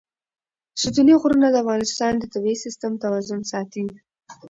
ستوني غرونه د افغانستان د طبعي سیسټم توازن ساتي.